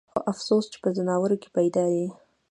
خو افسوس چې پۀ ځناورو کښې پېدا ئې